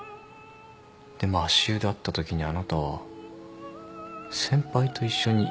でも足湯で会ったときにあなたは「先輩と一緒にいた」と言った。